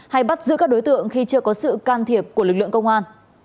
hay bắt giữ các đối tượng khi chưa có sự can thiệp của lực lượng công an